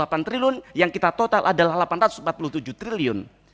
rp delapan triliun yang kita total adalah rp delapan ratus empat puluh tujuh triliun